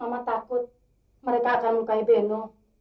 mama takut mereka akan melukai beno